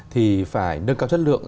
thì phải nâng cao chất lượng